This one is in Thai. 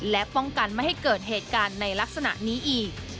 และป้องกันไม่ให้เกิดเหตุการณ์ในลักษณะนี้อีก